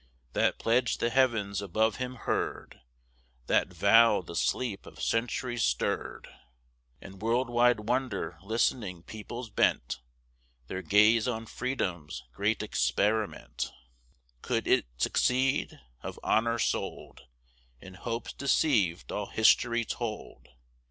That pledge the heavens above him heard, That vow the sleep of centuries stirred; In world wide wonder listening peoples bent Their gaze on Freedom's great experiment. Could it succeed? Of honor sold And hopes deceived all history told.